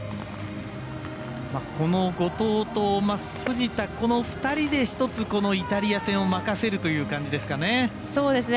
この後藤と藤田この２人で１つイタリア戦を任せるという形ですかね。